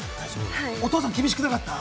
お父さん、厳しくなかった？